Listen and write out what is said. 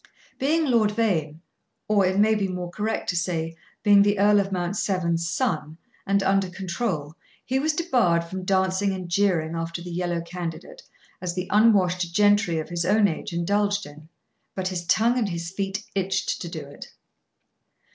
Being Lord Vane or it may be more correct to say, being the Earl of Mount Severn's son, and under control, he was debarred from dancing and jeering after the yellow candidate, as the unwashed gentry of his own age indulged in, but his tongue and his feet itched to do it.